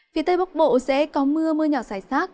phía tây bắc bộ sẽ có mưa mưa nhỏ xảy rác